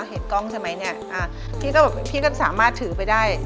เห็นกล้องใช่ไหมพี่ก็สามารถถือไปได้